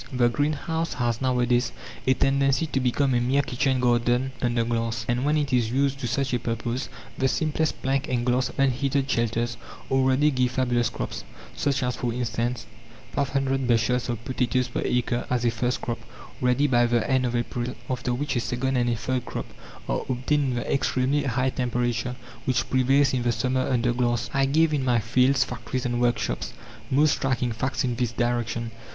The greenhouse has nowadays a tendency to become a mere kitchen garden under glass. And when it is used to such a purpose, the simplest plank and glass unheated shelters already give fabulous crops such as, for instance, 500 bushels of potatoes per acre as a first crop, ready by the end of April; after which a second and a third crop are obtained in the extremely high temperature which prevails in the summer under glass. I gave in my "Fields, Factories, and Workshops," most striking facts in this direction.